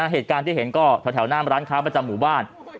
เหตุการณ์ที่เห็นก็แถวหน้าร้านค้าประจำหมู่บ้าน